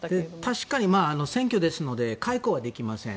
確かに選挙ですので解雇はできません。